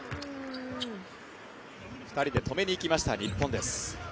２人で止めに行きました、日本です。